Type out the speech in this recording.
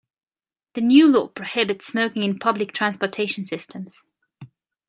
The new law prohibits smoking in public transportation systems.